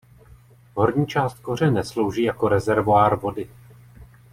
Horní část kořene slouží jako rezervoár vody.